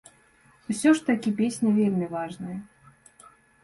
Усё ж такі песня вельмі важная.